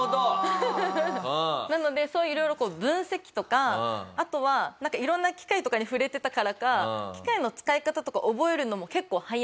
ああー！なのでそういういろいろ分析とかあとはいろんな機械とかに触れてたからか機械の使い方とか覚えるのも結構早い。